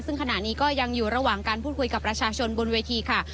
ซึ่งขณะนี้ก็ยังอยู่ระหว่างการพูดคุยกับประชาชนบนเวทีค่ะ